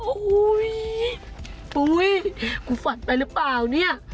โอ้โหปุ้ยกูฝันไปหรือเปล่าเนี่ย